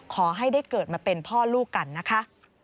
ขอให้ได้เกิดมาเป็นพ่อลูกกันนะคะ